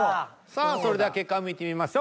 さあそれでは結果を見てみましょう。